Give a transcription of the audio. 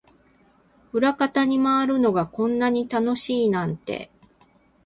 裏方に回るのがこんなに楽しいなんて